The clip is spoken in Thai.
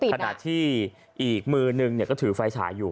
ขณะที่อีกมือนึงก็ถือไฟฉายอยู่